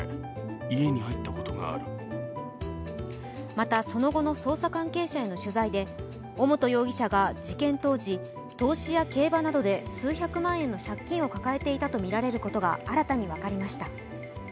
また、その後の捜査関係者への取材で尾本容疑者が事件当時、投資や競馬などで数百万円の借金を抱えていたとみられることが新たに分かりました。